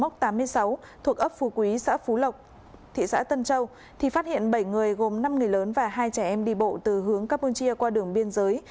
thị xã tân châu phát hiện bảy người gồm năm người lớn và hai trẻ em đi bộ từ hướng campuchia qua đường biên giới